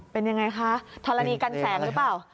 เป็นยังไงคะธรณีกันแสงหรือเปล่า